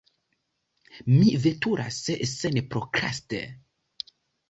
Mi veturas senprokraste.